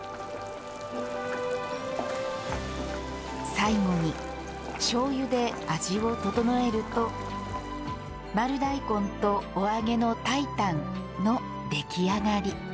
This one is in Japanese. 最後にしょうゆで味を調えると丸大根とおあげの炊いたんの出来上がり。